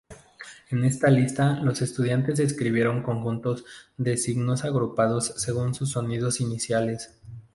En esta lista, los estudiantes escribieron conjuntos de signos agrupados según sus sonidos iniciales.